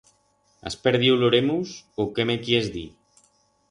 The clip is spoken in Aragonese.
Has perdiu l'oremus u qué me quiers dir?